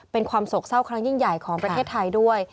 เป็นความโศกเศร้าครั้งยิ่งใหญ่ของประเทศไทยด้วย